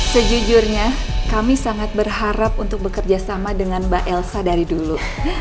sejujurnya kami sangat berharap untuk bekerja sama dengan mbak elsa dari dulu